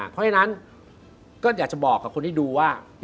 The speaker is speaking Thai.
เพราะฉะนั้นก็อยากจะบอกกับคนที่ดูว่า